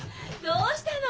どうしたの？